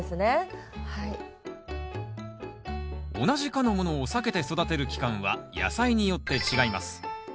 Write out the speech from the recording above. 同じ科のものを避けて育てる期間は野菜によって違います。